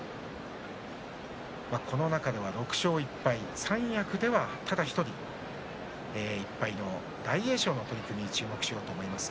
この中では６勝１敗三役ではただ１人１敗の大栄翔に注目しようと思います。